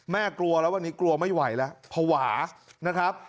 กลัวแล้ววันนี้กลัวไม่ไหวแล้วภาวะนะครับ